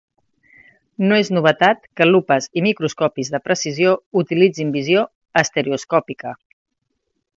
No és novetat que lupes i microscopis de precisió utilitzin visió estereoscòpica.